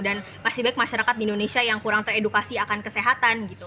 dan pasti baik masyarakat di indonesia yang kurang teredukasi akan kesehatan gitu